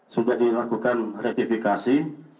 sudah dilakukan ratifikasi